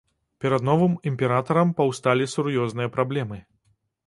Перад новым імператарам паўсталі сур'ёзныя праблемы.